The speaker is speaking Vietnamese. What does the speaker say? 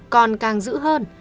còn càng dữ hơn